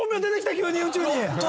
急に宇宙に。